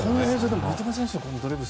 三笘選手のドリブル